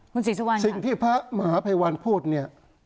คุณศรีสุวรรณสิ่งที่พระมหาภัยวันพูดเนี่ย